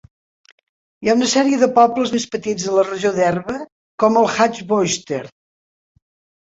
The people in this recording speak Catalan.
Hi ha una sèrie de pobles més petits a la regió d'Herve, com el Hacboister.